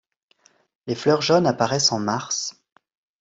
Les fleurs jaunes apparaissent en mars.